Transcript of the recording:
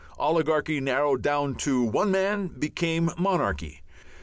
Oligarchy, narrowed down to one man, became monarchy.